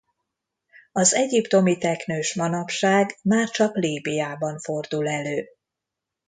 Az egyiptomi teknős manapság már csak Líbiában fordul elő.